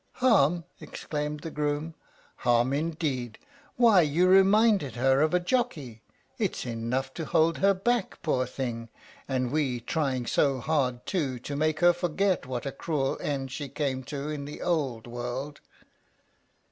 "Harm!" exclaimed the groom; "harm indeed! Why, you reminded her of a jockey. It's enough to hold her back, poor thing! and we trying so hard, too, to make her forget what a cruel end she came to in the old world."